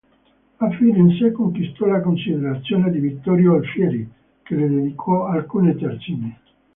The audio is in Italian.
A Firenze conquistò la considerazione di Vittorio Alfieri che le dedicò alcune terzine.